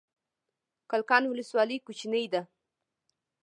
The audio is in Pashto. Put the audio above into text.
کلکان ولسوالۍ کوچنۍ ده؟